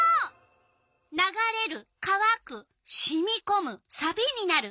「ながれる」「かわく」「しみこむ」「さびになる」。